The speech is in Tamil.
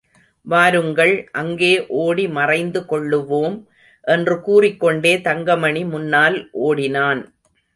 வாருங்கள், அங்கே ஓடி மறைந்து கொள்ளுவோம் என்று கூறிக்கொண்டே தங்கமணி முன்னால் ஓடினான்.